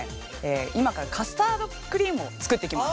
今からカスタードクリームを作っていきます。